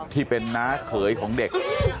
ที่เป็นน้าเขยของเด็ก